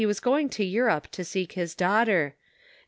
69 was going to Europe to seek his daughter, and.